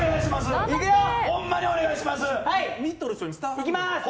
いきます！